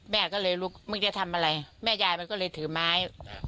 แม่ก็เลยลุกมึงจะทำอะไรแม่ยายมันก็เลยถือไม้